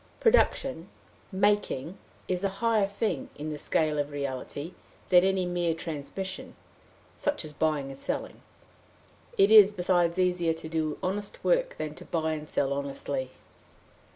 Production, making, is a higher thing in the scale of reality, than any mere transmission, such as buying and selling. It is, besides, easier to do honest work than to buy and sell honestly.